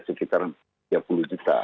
sekitar tiga puluh juta